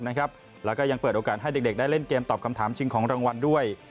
แล้วก็ยังเปิดโอกาสให้เด็กได้เล่นเกมตอบคำถามชิงของรางวัลด้วย